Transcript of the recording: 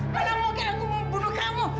kalau mungkin aku mau bunuh kamu